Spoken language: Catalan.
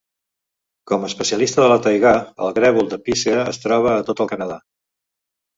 Com a especialista de la taigà, el grèvol de pícea es troba a tot el Canadà.